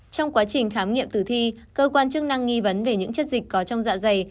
trong quá trình khám nghiệm tử thi cơ quan chức năng nghi vấn về những chất dịch có trong dạ dày